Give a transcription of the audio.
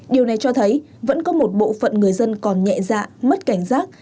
điều này cho thấy vẫn có một bộ phận người dân còn nhẹ dạ mất cảnh giác